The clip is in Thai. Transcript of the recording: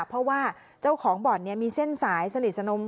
เพราะว่าเจ้าของบ่อนมีเส้นสายสนิทสนม